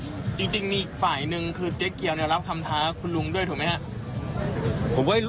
จริงมีฝ่ายหนึ่งคือเจ๊เกียวรับคำท้าคุณลุงด้วยถูกไหมฮะ